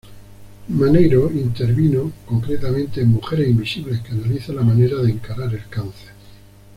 Maneiro intervino concretamente en "Mujeres invisibles", que analiza la manera de encarar el cáncer.